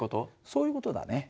そういう事だね。